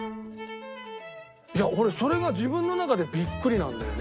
いや俺それが自分の中でビックリなんだよね。